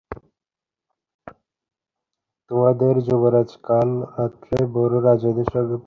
তােমাদের যুবরাজ কাল রাত্রে বুড় রাজার সঙ্গে পালাইয়াছে।